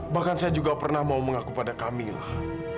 bahkan saya juga pernah mau mengaku pada kamilah